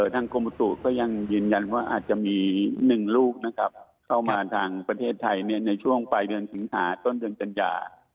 ทางกรมอุตุก็ยังยืนยันว่าอาจจะมี๑ลูกนะครับเข้ามาทางประเทศไทยในช่วงปลายเดือนสิงหาต้นเดือนกันยา